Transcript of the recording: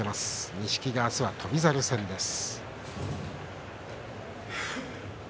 錦木は明日は翔猿戦です。